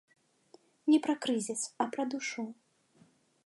Не пра крызіс, а пра душу.